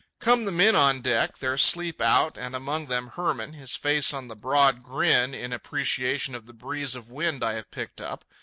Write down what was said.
Come the men on deck, their sleep out, and among them Hermann, his face on the broad grin in appreciation of the breeze of wind I have picked up.